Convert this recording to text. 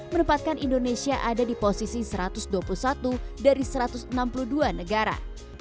menempatkan indonesia ada di posisi satu ratus dua puluh satu dari satu ratus enam puluh dua negara